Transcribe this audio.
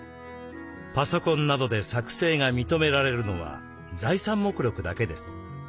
パソコンなどで作成が認められるのは財産目録だけです。